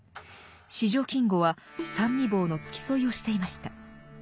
四条金吾は三位房の付き添いをしていました。